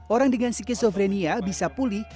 orang dengan skizofrenia bisa pulih